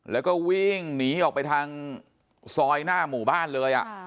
แล้วก็วิ่งหนีออกไปทางซอยหน้าหมู่บ้านเลย